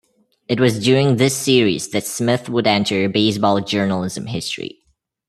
It was during this series that Smith would enter baseball journalism history.